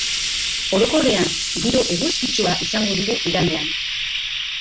Orokorrean, giro eguzkitsua izango dugu igandean.